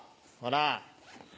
ほら！